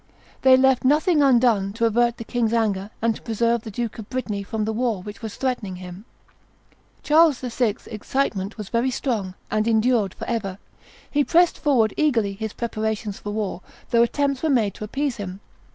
They left nothing undone to avert the king's anger and to preserve the Duke of Brittany from the war which was threatening him. Charles VI.'s excitement was very strong, and endured forever. He pressed forward eagerly his preparations for war, though attempts were made to appease him.